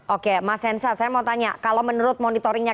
oke mas hensat saya mau tanya kalau menurut monitoringnya